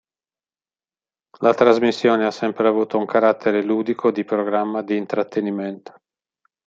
La trasmissione ha sempre avuto un carattere ludico di programma di intrattenimento.